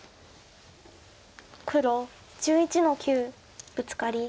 黒１１の九ブツカリ。